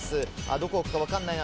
どこ置くか分からないな